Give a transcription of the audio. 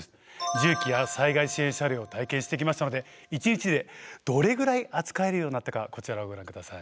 重機や災害支援車両を体験してきましたので１日でどれぐらい扱えるようになったかこちらをご覧下さい。